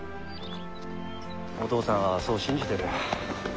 お父さんはそう信じてる。